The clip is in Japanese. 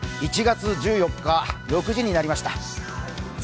１月１４日、６時になりました。